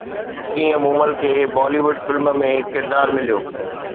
ڪيئن مومل کي Bollywood film ۾ ڪردار مليو